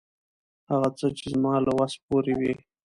هغه څه، چې زما له وس پوره وي.